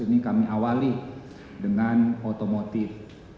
ini kami awali dengan otomotif